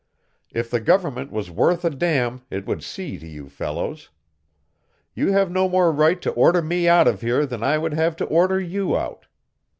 If the government was worth a damn it would see to you fellows. You have no more right to order me out of here than I would have to order you out.